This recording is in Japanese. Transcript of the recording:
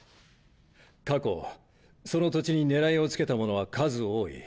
過去その土地に狙いを付けた者は数多い。